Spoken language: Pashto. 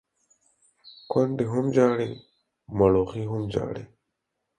کونډي هم ژاړي ، مړوښې هم ژاړي.